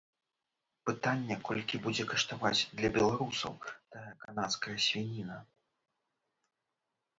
Пытанне, колькі будзе каштаваць для беларусаў тая канадская свініна.